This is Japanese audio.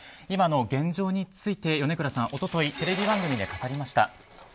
今の現状について米倉さん、一昨日テレビ番組で語りました。